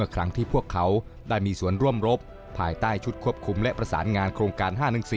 ครั้งที่พวกเขาได้มีส่วนร่วมรบภายใต้ชุดควบคุมและประสานงานโครงการ๕หนังสือ